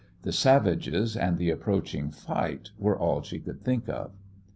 The savages and the approaching fight were all she could think of.